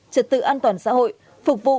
trật tự an toàn xã hội phục vụ